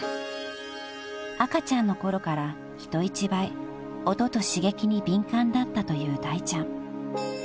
［赤ちゃんの頃から人一倍音と刺激に敏感だったというだいちゃん］